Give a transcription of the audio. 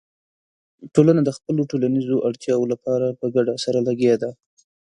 ټولنه د خپلو ټولنیزو اړتیاوو لپاره په ګډه سره لګیا ده.